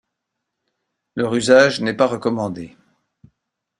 Leur usage n’est pas recommandé.